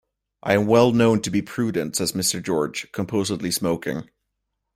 "I am well known to be prudent," says Mr. George, composedly smoking.